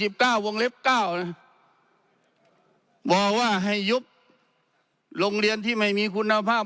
บอกว่าบางเล็ก๑๙บอกว่าให้ยุบโรงเรียนที่ไม่มีคุณภาพ